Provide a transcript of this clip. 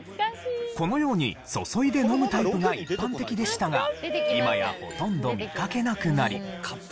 このように注いで飲むタイプが一般的でしたが今やほとんど見かけなくなり。